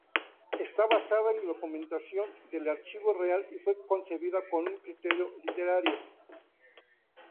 Está basada en documentación del archivo real y fue concebida con un criterio literario.